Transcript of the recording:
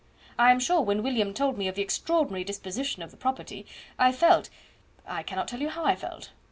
I am sure when William told me of the extraordinary disposition of the property, I felt I cannot tell you how I felt.